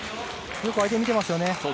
よく相手を見てますね。